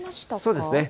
そうですね。